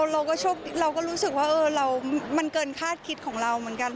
เราก็รู้สึกว่ามันเกินคาดคิดของเราเหมือนกัน